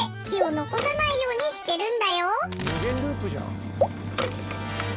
無限ループじゃん。え！？